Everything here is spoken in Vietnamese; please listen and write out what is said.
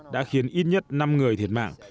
đã khiến ít nhất năm người thiệt mạng